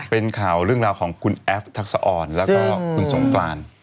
เป็นข่าวเรื่องราวของคุณแอฟทักษะออนแล้วก็คุณสงกราน